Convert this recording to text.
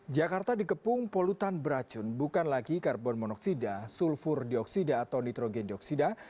jakarta dikepung polutan beracun bukan lagi karbon monoksida sulfur dioksida atau nitrogen dioksida